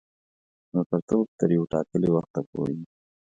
ملګرتوب تر یوه ټاکلي وخته پوري وي.